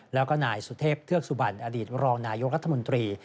แล้วก็นายสุเทพเทือกสุบันอดีตรองนายกรัฐมนตรี